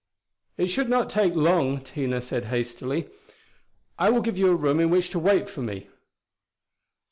"It should not take long," Tina had said hastily. "I will give you a room in which to wait for me."